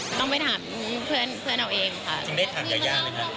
ต้องไปถามเพื่อนเราเองค่ะ